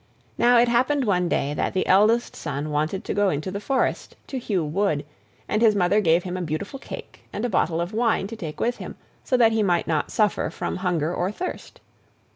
Now it happened one day that the eldest son wanted to go into the forest, to hew wood, and his Mother gave him a beautiful cake and a bottle of wine to take with him, so that he might not suffer from hunger or thirst.